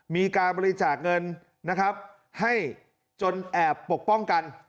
มีการบริจาคเงินนะครับให้จนแอบปกป้องกัน